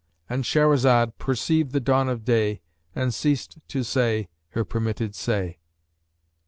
"—And Shahrazad perceived the dawn of day and ceased to say her permitted say.